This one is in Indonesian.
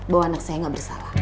bahwa anak saya gak bersalah